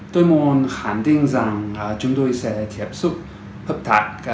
tôi muốn khẳng định rằng chúng tôi sẽ hỗ trợ các công dân anh trong thời gian qua